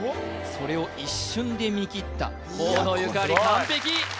それを一瞬で見切った河野ゆかり完璧！